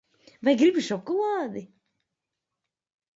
Vai gribi šokolādi?